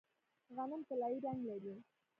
غنم طلایی رنګ لري.